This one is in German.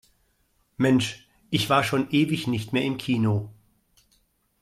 Mensch, ich war schon ewig nicht mehr im Kino.